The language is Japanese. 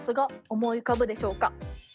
思い浮かぶでしょうか？